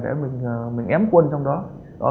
để mình ém quân trong đó